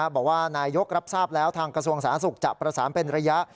บอกว่านายยกรับทราบแล้วทางกระทรวงสาธารณสุขจะประสานเป็นระยะ